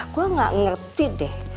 gua gak ngerti deh